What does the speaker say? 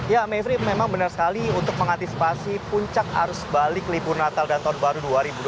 ya mevri memang benar sekali untuk mengantisipasi puncak arus balik libur natal dan tahun baru dua ribu dua puluh